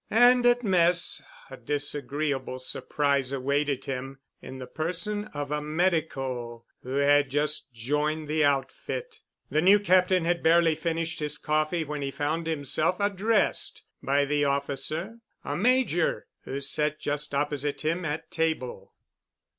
And at mess a disagreeable surprise awaited him, in the person of a medico who had just joined the outfit. The new Captain had barely finished his coffee when he found himself addressed by the officer, a Major, who sat just opposite him at table.